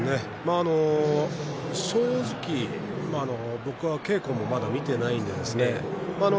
正直僕は稽古もまだ見ていないんです。